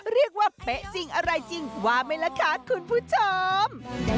เรียกว่าเป๊ะจริงอะไรจริงว่าไหมล่ะค่ะคุณผู้ชม